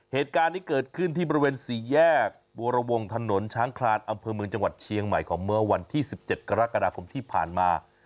เหตุการณ์นี้เกิดขึ้นที่บริเวณสี่แยกบัวรวงถนนช้างคลานอำเภอเมืองจังหวัดเชียงใหม่ของเมื่อวันที่๑๗กรกฎาคมที่ผ่านมา